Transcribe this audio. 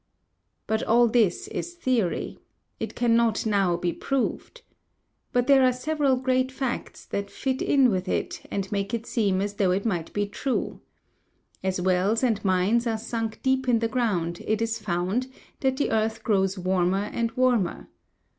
But all this is theory. It cannot now be proved. But there are several great facts that fit in with it and make it seem as though it might be true. As wells and mines are sunk deep in the ground it is found that the earth grows warmer and warmer.